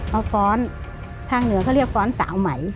เอาฟ้อนทางเหนือเขาเรียกฟ้อนสาวใหม่